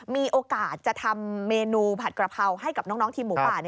มีโอกาสจะทำเมนูผัดกระเพราให้กับน้องทีมหมูป่า